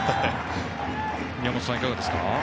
宮本さん、いかがですか。